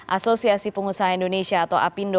asosiasi pengusaha indonesia atau apindo